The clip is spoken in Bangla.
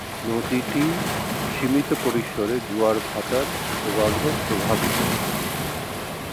নদীটি সীমিত পরিসরে জোয়ার ভাটার প্রভাবে প্রভাবিত।